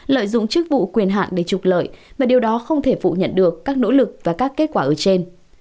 lợi dụng chức vụ quyền hạn để trục lợi và điều đó không thể phụ nhận được các nỗ lực và các kết quả ở trên